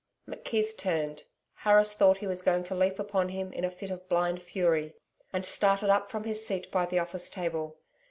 McKeith turned, Harris thought he was going to leap upon him in a fit of blind fury, and started up from his seat by the office table.